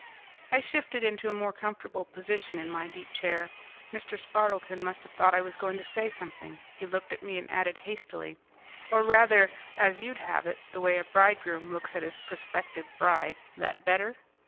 I shifted into a more comfortable position in my deep chair. Mr. Spardleton must have thought I was going to say something. He looked at me and added hastily, "Or rather, as you'd have it, the way a bridegroom looks at his prospective bride. That better?"